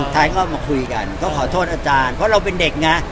ตัวพี่พลทเองมีโอกาสได้พูดเอง